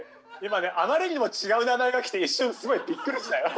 あまりにも違う名前が来て一瞬すごいびっくりした。